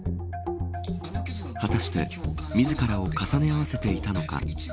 果たして自らを重ね合わせていたのか。